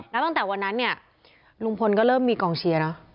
แล้วตั้งแต่วันนั้นเนี่ยลุงพลก็เริ่มมีกองเชียร์เนอะ